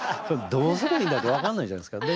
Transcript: どうすりゃいいんだって分かんないじゃないですか。